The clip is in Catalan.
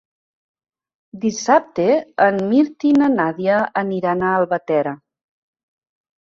Dissabte en Mirt i na Nàdia aniran a Albatera.